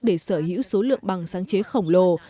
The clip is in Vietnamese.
để sở hữu số lượng bằng sáng chế khổng lồ